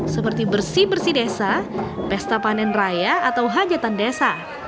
seperti bersih bersih desa pesta panen raya atau hajatan desa